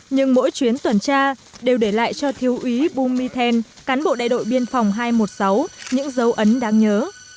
nhưng mỗi chuyến tuần tra đều để lại cho thiếu úy bumy then cán bộ đại đội biên phòng hai trăm một mươi sáu những dấu ấn đáng nhớ